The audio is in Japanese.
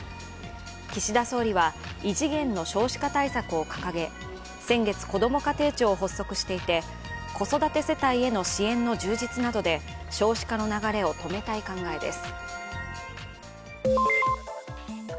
岸田総理は、異次元の少子化対策を掲げ先月、こども家庭庁を発足していて、子育て世帯への支援の充実などで少子化の流れを止めたい考えです。